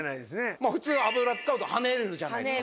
普通油使うとはねるじゃないですか。